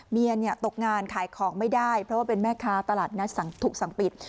เมียตกงานขายของไม่ได้เพราะว่าเป็นแม่ค้าตลาดนัดถูกสั่งปิด